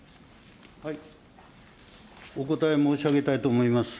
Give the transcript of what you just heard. お答え申し上げたいと思います。